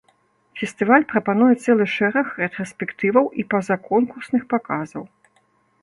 Фестываль прапануе цэлы шэраг рэтраспектываў і па-за конкурсных паказаў.